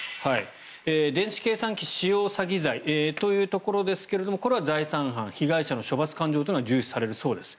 電子計算機使用詐欺罪というところですがこれは財産犯被害者の処罰感情というのが重視されるそうです。